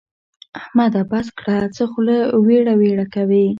احمده! بس کړه؛ څه خوله ويړه ويړه کوې.